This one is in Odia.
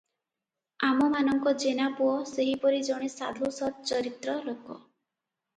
ଆମମାନଙ୍କ ଜେନାପୁଅ ସେହିପରି ଜଣେ ସାଧୁ ସଚ୍ଚରିତ୍ର ଲୋକ ।